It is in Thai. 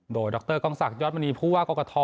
โดยดรกศยมพุฒากกท